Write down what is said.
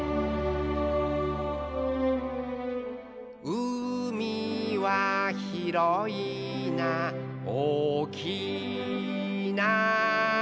「うみはひろいなおおきいな」